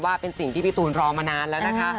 ว่าเป็นสิ่งที่พี่ตูนรอมานานแล้วนะคะ